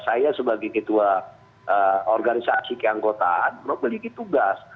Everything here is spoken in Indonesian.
saya sebagai ketua organisasi keangkotaan memiliki tugas